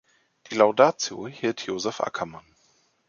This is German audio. Die Laudatio hielt Josef Ackermann.